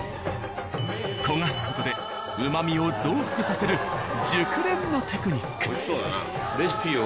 焦がす事で旨味を増幅させる熟練のテクニック。